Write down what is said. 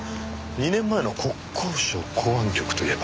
２年前の国交省港湾局といえば。